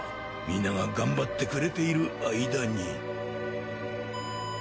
皆が頑張ってくれている間に